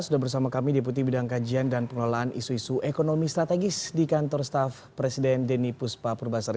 sudah bersama kami deputi bidang kajian dan pengelolaan isu isu ekonomi strategis di kantor staff presiden denny puspa purbasari